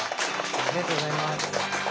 ありがとうございます。